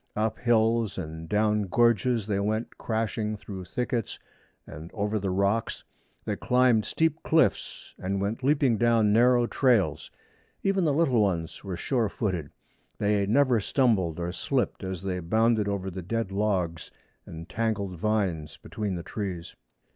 Up hills and down gorges they went crashing through thickets and over the rocks. They climbed steep cliffs and went leaping down narrow trails. Even the little ones were sure footed. They never stumbled or slipped as they bounded over the dead logs and tangled vines between the trees.